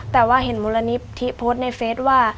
แต่ว่าเห็นมูลนิธิโพสต์ในเฟสว่า